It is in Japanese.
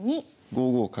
５五角。